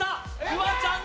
フワちゃん